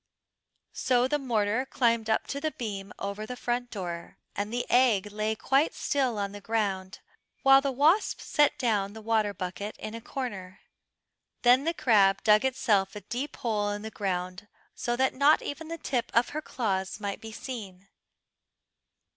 So the mortar climbed up to the beam over the front door, and the egg lay quite still on the ground, while the wasp set down the water bucket in a corner. Then the crab dug itself a deep hole in the ground, so that not even the tip of her claws might be seen.